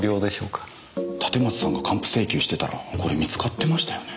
立松さんが還付請求してたらこれ見つかってましたよね。